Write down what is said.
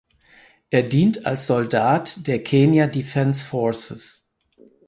Er dient als Soldat der Kenya Defence Forces.